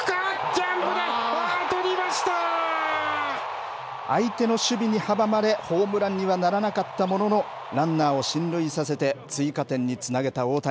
ジャンプだ、相手の守備に阻まれ、ホームランにはならなかったものの、ランナーを進塁させて、追加点につなげた大谷。